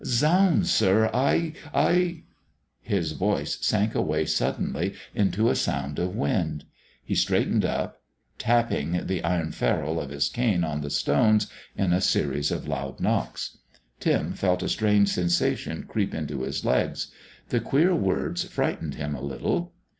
Zounds, sir...! I I ..." His voice sank away suddenly into a sound of wind. He straightened up, tapping the iron ferrule of his cane on the stones in a series of loud knocks. Tim felt a strange sensation creep into his legs. The queer words frightened him a little.